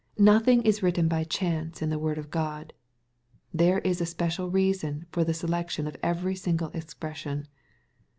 Nothing is written by chance, in the word of Grod. There is a special reason for the se lection of every single expression.